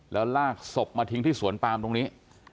แล้วลากศพมาทิ้งที่สวนปามตรงนี้